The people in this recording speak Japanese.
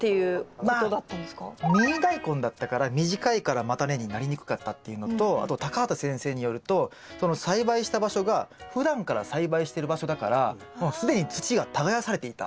ミニダイコンだったから短いから叉根になりにくかったっていうのとあと畑先生によるとその栽培した場所がふだんから栽培してる場所だからもう既に土が耕されていた。